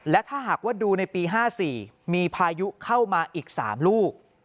และถ้าหากว่าดูในปี๕๔มีพายุเข้ามาอีก๓ลูก